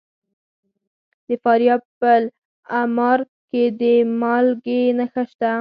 د فاریاب په المار کې د مالګې نښې شته.